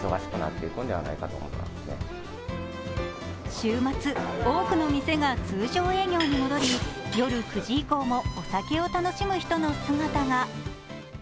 週末、多くの店が通常営業に戻り、夜９時以降もお酒を楽しむ人の姿が。